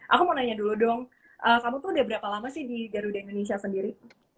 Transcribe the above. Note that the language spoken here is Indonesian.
aku mau nanya dulu dong kamu tuh udah berapa lama sih di garuda indonesia sendiri